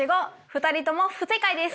２人とも不正解です。